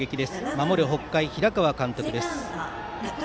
守る北海、平川監督です。